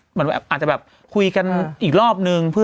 เหมือนแบบอาจจะแบบคุยกันอีกรอบนึง